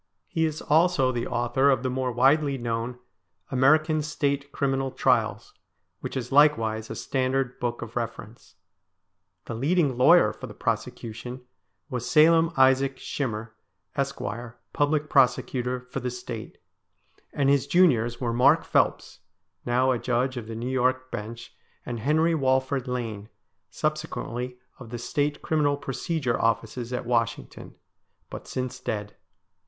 He is also the author of the more widely known ' American State Criminal Trials,' which is likewise a standard book of reference. The leading lawyer for the prosecution was Salim Isaac Shinier, Esq., Public Prosecutor for the State ; and his juniors were Mark Phelps, now a Judge of the New York Bench, and Henry Walford Lane, subsequently of the State Criminal Procedure Offices at Washington, but since dead.